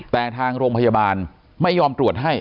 แต่ทางโรงพยาบาลไม่ยอมตรวจให้